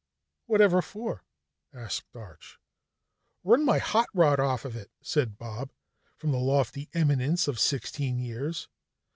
"Whatever for?" asked Arch. "Run my hot rod off it," said Bob from the lofty eminence of sixteen years.